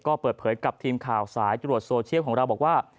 ก็เปิดเผยกับทีมข่าวสายตรวจโซเชียลของเราบอกว่า